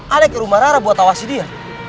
ada ke rumah rara buat awasi dia